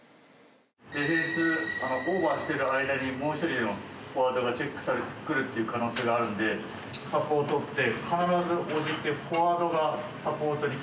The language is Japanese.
・ディフェンスオーバーしてる間にもう一人のフォワードがチェックくるっていう可能性があるのでサポートって必ずフォワードがサポートにいきます。